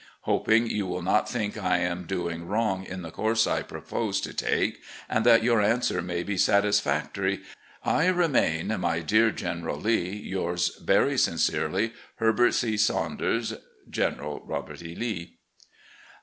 " Hoping you will not think I am doing wrong in the course I propose to take, and that your answer may be satisfactory, I remain, my dear General Lee, "Yours very sincerely, Herbert C. Saunders. "General Robert E. Lee."